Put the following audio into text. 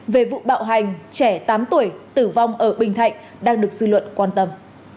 về vụ bạo hành trẻ tám tuổi tử vong ở bình thạnh đang được dư luận quan tâm